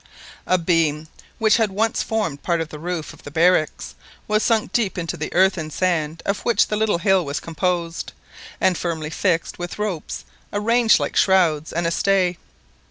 A beam, which had once formed part of the roof of the barracks, was sunk deep into the earth and sand of which the little hill was composed, and firmly fixed with ropes arranged like shrouds and a stay.